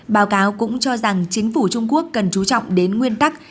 báo cáo cũng cho rằng chính phủ trung quốc cần chú trọng đến nguyên tắc